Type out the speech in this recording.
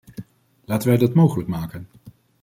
Laten wij dat mogelijk maken!